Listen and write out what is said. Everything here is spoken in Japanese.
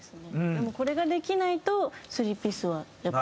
でもこれができないと３ピースはやっぱり。